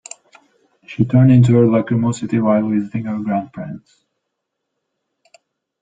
She turned into her lachrymosity while visiting her grandparents.